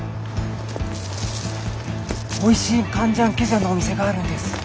おいしいカンジャンケジャンのお店があるんです。